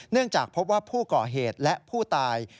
จากพบว่าผู้ก่อเหตุและผู้ตาย